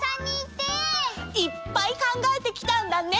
いっぱい考えてきたんだね！